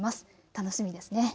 楽しみですね。